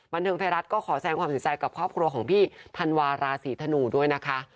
บันเทิงไทยรัฐก็ขอแสงความเสียใจกับครอบครัวของพี่ธันวาราศีธนูด้วยนะคะ